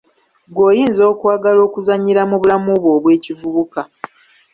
Ggwe oyinza okwagala okuzannyira mu bulamu bwo obw'ekivubuka!